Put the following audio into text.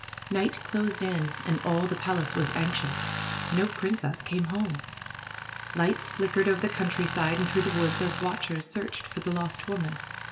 Night closed in and all the palace was anxious. No princess came home. Lights flickered over the country side and through the woods as watchers searched for the lost woman.